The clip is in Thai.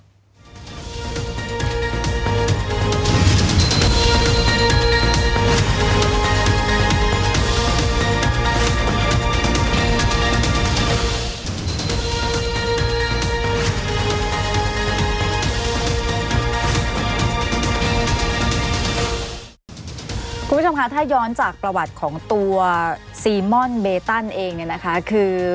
คุณผู้ชมคะถ้าย้อนจากประวัติของตัวซีม่อนเบตันเองเนี่ยนะคะคือ